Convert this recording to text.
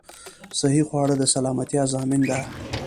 صحې خواړه د سلامتيا ضامن ده